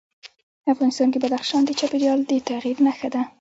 افغانستان کې بدخشان د چاپېریال د تغیر نښه ده.